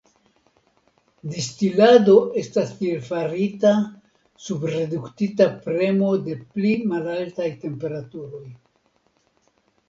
Distilado estas tiel farita sub reduktita premo ĉe pli malaltaj temperaturoj.